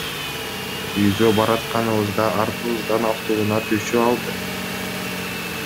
Үйгө баратканыбызда артыбыздан автоунаа түшүп алды.